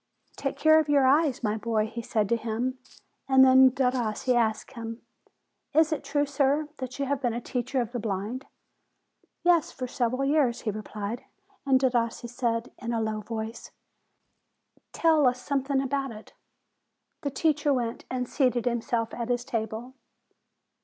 "Take care of your eyes, my boy," he said to him. And then Derossi asked him : "Is it true, sir, that you have been a teacher of the blind?" "Yes, for several years," he replied. And Derossi said, in a low tone, "Tell us something about it." The teacher went and seated himself at his table.